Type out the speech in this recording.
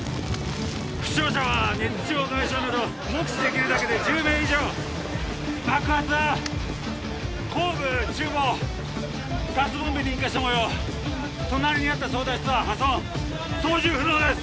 負傷者は熱傷外傷など目視できるだけで１０名以上爆発は後部厨房ガスボンベに引火したもよう隣にあった操舵室は破損操縦不能です